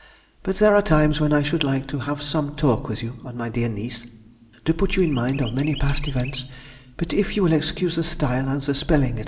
But there are times when I should like to have some talk with you or my dear niece, to put you in mind of many past events, but if you will excuse the style and the spelling, &c.